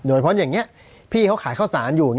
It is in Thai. โดยเพราะอย่างนี้พี่เขาขายข้าวสารอยู่